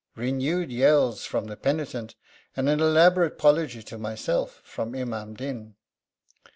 Renewed yells from the penitent, and an elaborate apology to myself from Imam Din.